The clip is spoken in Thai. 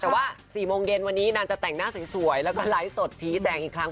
แต่ว่า๔โมงเย็นวันนี้นางจะแต่งหน้าสวยแล้วก็ไลฟ์สดชี้แจงอีกครั้ง